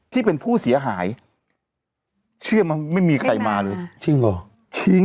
ที่เป็นผู้เสียหายเชื่อมั้งไม่มีใครมาเลยจริงเหรอ